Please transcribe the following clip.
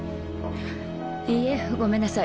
いいえごめんなさい。